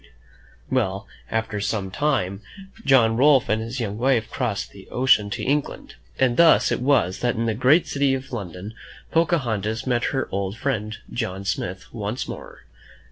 ■/ t) ^ ^0^ miy '. WHO FOUND A M E R I C 3 Well, after some time, John Rolfe and his young wife crossed the ocean to England, and thus it was that in the great city of London Pocahontas met her old friend, John Smith, once more.